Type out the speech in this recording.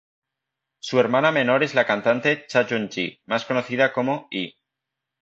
Su hermana menor es la cantante Cha Yoon-ji, más conocida como "I".